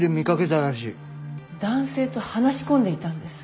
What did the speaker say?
男性と話し込んでいたんです。